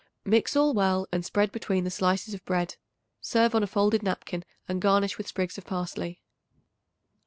Mix all well and spread between the slices of bread. Serve on a folded napkin and garnish with sprigs of parsley.